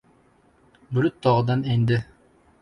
Bulut tog‘dan endi.